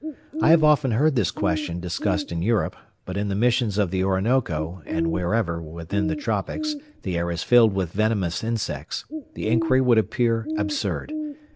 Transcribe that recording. I have often heard this question discussed in Europe; but in the Missions of the Orinoco, and wherever, within the tropics, the air is filled with venomous insects, the inquiry would appear absurd.